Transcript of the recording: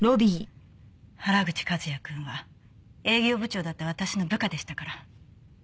原口和也くんは営業部長だった私の部下でしたから。